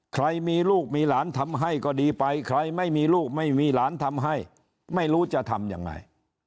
ใครมีลูกมีหลานทำให้ก็ดีไปใครไม่มีลูกไม่มีหลานทำให้ไม่รู้จะทำยังไง